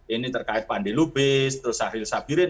ini terkait pandil lubis terus syahril sabirin